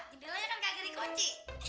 gini lo kan kaget dikunci